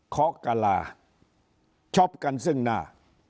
เคาะกะลาชอบกันซึ่งหน้า